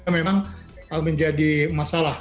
memang menjadi masalah